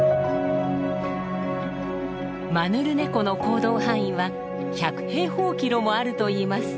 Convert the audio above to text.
マヌルネコの行動範囲は１００平方キロもあるといいます。